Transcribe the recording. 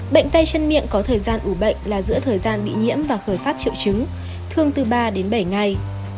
bệnh tay chân miệng có thời gian ủ bệnh là giữa thời gian bị nhiễm và khởi phát triệu chứng thường từ ba đến bảy ngày